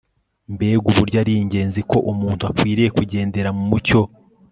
Mbega uburyo ari ingenzi ko umuntu akwiriye kugendera mu mucyo